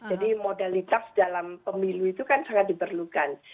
jadi modalitas dalam pemilu itu kan sangat diperlukan